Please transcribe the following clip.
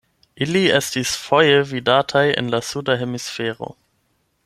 Ili estis foje vidataj en la suda hemisfero.